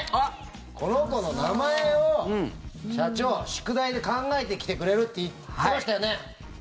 この子の名前を、社長宿題で考えてきてくれるってはい、考えてきました。